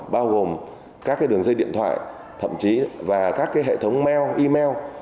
bao gồm các cái đường dây điện thoại thậm chí và các cái hệ thống mail email